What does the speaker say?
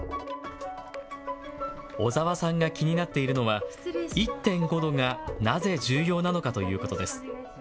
小澤さんが気になっているのは１．５度がなぜ重要なのかということです。